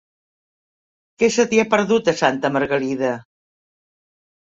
Què se t'hi ha perdut, a Santa Margalida?